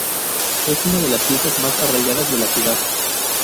Es una de las fiestas más arraigadas de la ciudad.